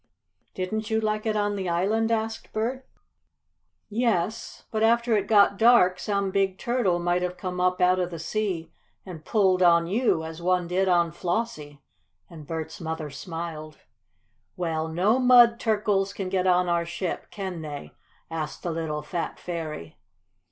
"Didn't you like it on the island?" asked Bert. "Yes. But after it got dark some big turtle might have come up out of the sea and pulled on you, as one did on Flossie," and Bert's mother smiled. "Well, no mud turkles can get on our ship, can they?" asked the little "fat fairy."